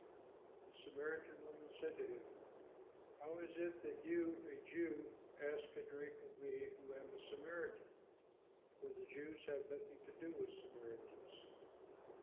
The Samaritan woman said to him, "How is it that you, a Jew, ask a drink of me who am a Samaritan?" for the Jews have nothing to do with Samaritans.